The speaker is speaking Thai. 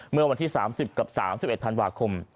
เมื่อวันที่๓๐กับ๓๑ธันวาคม